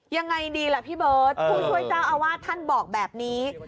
ทางผู้ชมพอเห็นแบบนี้นะทางผู้ชมพอเห็นแบบนี้นะ